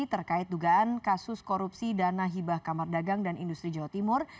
terkait dugaan kasus korupsi dana hibah kamar dagang dan industri jawa timur